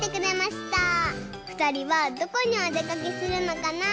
ふたりはどこにおでかけするのかな？